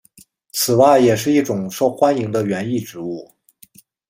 此外也是一种受欢迎的园艺植物。